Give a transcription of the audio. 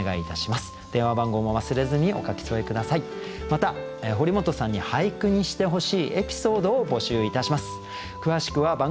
また堀本さんに俳句にしてほしいエピソードを募集いたします。